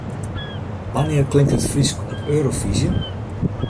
Wannear klinkt it Frysk op Eurofyzje?